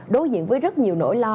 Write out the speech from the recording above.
đối diện với rất nhiều nỗi lo